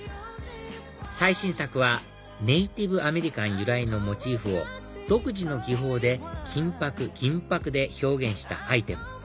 最新作はネーティブアメリカン由来のモチーフを独自の技法で金箔銀箔で表現したアイテム